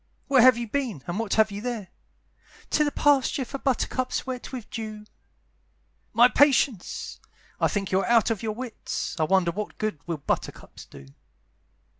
"Where have you been? and what have you there?" "To the pasture for buttercups wet with dew." "My patience! I think you are out of your wits; I wonder what good will buttercups do?